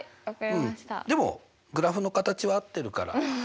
うんでもグラフの形は合ってるから。